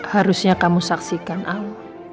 harusnya kamu saksikan aw